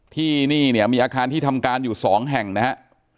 ที่นี่เนี่ยมีอาคารที่ทำการอยู่๒แห่งนะฮะ